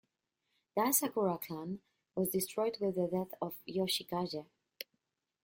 The Asakura clan was destroyed with the death of Yoshikage.